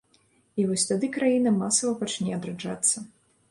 І вось тады краіна масава пачне адраджацца.